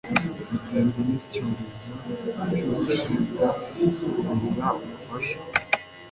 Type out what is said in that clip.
baterwa nicyorezo cyubushita babura ubufasha